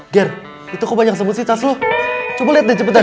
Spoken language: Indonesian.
ger itu kok banyak semut sih tas lu coba lihat deh cepetan